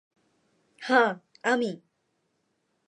হাঁ, আমি।